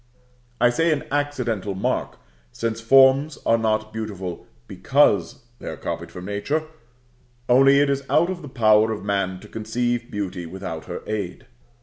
I say an accidental mark, since forms are not beautiful because they are copied from nature; only it is out of the power of man to conceive beauty without her aid.